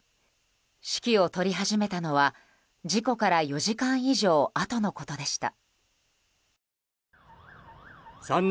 指揮を執り始めたのは事故から４時間以上あとのことでした。